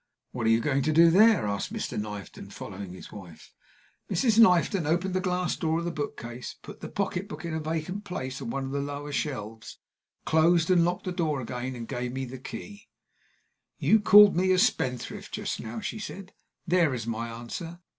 "What are you going to do there?" asked Mr. Knifton, following his wife. Mrs. Knifton opened the glass door of the book case, put the pocketbook in a vacant place on one of the lower shelves, closed and locked the door again, and gave me the key. "You called me a spendthrift just now," she said. "There is my answer.